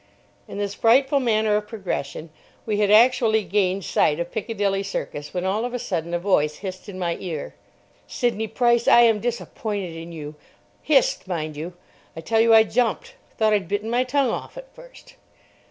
In this frightful manner of progression we had actually gained sight of Piccadilly Circus when all of a sudden a voice hissed in my ear: "Sidney Price, I am disappointed in you." Hissed, mind you. I tell you, I jumped. Thought I'd bitten my tongue off at first.